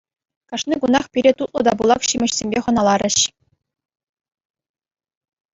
Кашни кунах пире тутлӑ та пылак ҫимӗҫсемпе хӑналарӗҫ.